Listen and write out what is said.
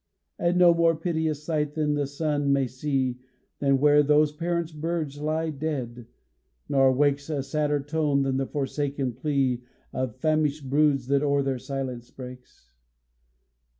And no more piteous sight the sun may see Than where those parent birds lie dead; nor wakes A sadder tone than the forsaken plea Of famished broods that o'er their silence breaks.